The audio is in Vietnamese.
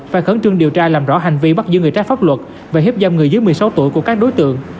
và khấn trương điều tra làm rõ hành vi bắt giữ người trách pháp luật và hiếp dâm người dưới một mươi sáu tuổi của các đối tượng